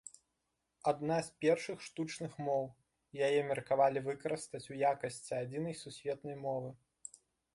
Адна з першых штучных моў, яе меркавалі выкарыстаць у якасці адзінай сусветнай мовы.